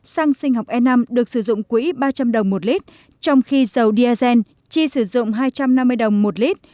xăng sinh học e năm được sử dụng quỹ ba trăm linh đồng một lít trong khi dầu diazen chi sử dụng hai trăm năm mươi đồng một lít